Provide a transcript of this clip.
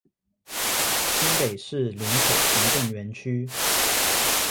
新北市林口行政園區